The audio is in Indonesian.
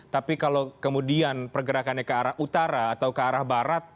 tapi kalau kemudian pergerakannya ke arah utara atau ke arah barat